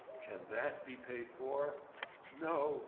Can that be paid for? No!